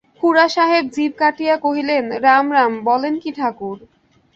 খুড়াসাহেব জিভ কাটিয়া কহিলেন, রাম রাম, বলেন কী ঠাকুর?